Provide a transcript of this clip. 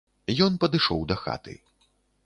Ён падышоў да хаты.